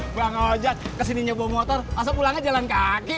bang hojat kesininya bawa motor masa pulangnya jalan kaki